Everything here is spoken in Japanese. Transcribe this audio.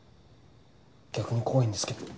逆に怖いんですけど。